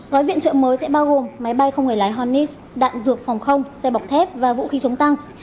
gói viện trợ mới sẽ bao gồm máy bay không người lái hornis đạn dược phòng không xe bọc thép và vũ khí chống tăng